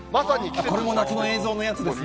これも夏の映像のやつですね。